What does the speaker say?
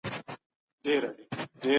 د ژوند هره شېبه د هڅې موقع ده.